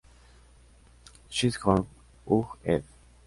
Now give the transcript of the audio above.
Chisholm, Hugh, ed.